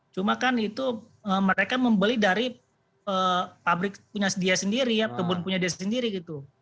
cuma kan itu mereka membeli dari pabrik punya dia sendiri ya kebun punya dia sendiri gitu